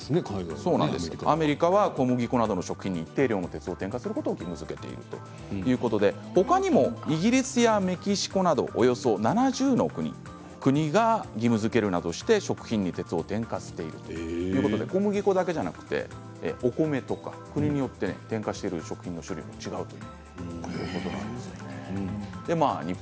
アメリカでは小麦粉などの食品に一定量添加することを義務づけているということでほかにもイギリスやメキシコなどおよそ７０の国が義務づけるなどして食品に鉄を添加しているということで小麦粉だけでなくお米とか国によって添加している食品の種類も違うということです。